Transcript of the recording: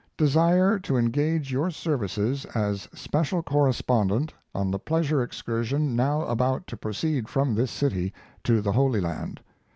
desire to engage your services as Special Correspondent on the pleasure excursion now about to proceed from this City to the Holy Land.